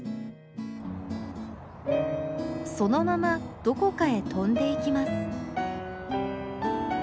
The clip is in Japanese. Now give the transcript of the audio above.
そのままどこかへ飛んでいきます。